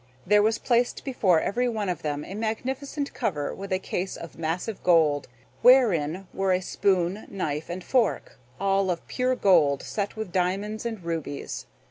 There was placed before every one of them a magnificent cover with a case of massive gold, wherein were a spoon, knife, and fork, all of pure gold set with diamonds and rubies.